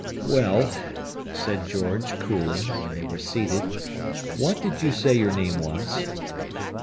"Well," said George, coolly, when they were seated, "what did you say your name was?"